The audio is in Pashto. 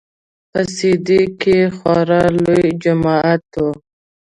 په سي ډي کښې خورا لوى جماعت و.